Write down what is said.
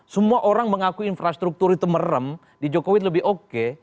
semua orang mengaku infrastruktur itu merem di jokowi lebih oke